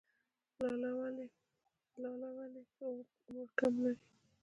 لاله ولې عمر کم لري؟